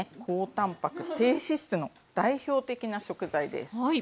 高たんぱく低脂質の代表的な食材です。